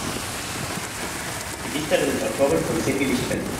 Die Dichterin ist Autorin von zehn Gedichtbänden.